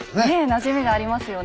なじみがありますよね。